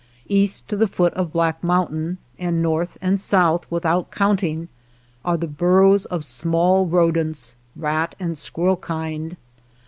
"" East to the foot of Black Moun tain, and north and south without count ing, are the burrows of small rodents, rat and squirrel kind.